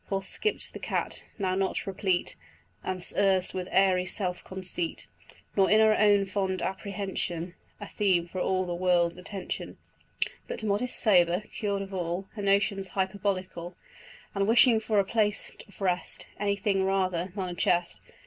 Forth skipp'd the cat, not now replete As erst with airy self conceit, Nor in her own fond apprehension A theme for all the world's attention, But modest, sober, cured of all Her notions hyperbolical, And wishing for a place of rest Any thing rather than a chest.